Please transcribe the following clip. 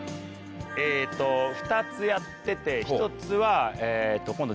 えっと２つやってて１つは今度１０月の。